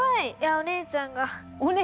お姉ちゃんが。